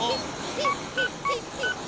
ピッピッピッピッピ。